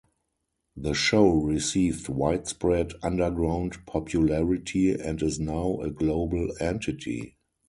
The show received widespread underground popularity and is now a global entity.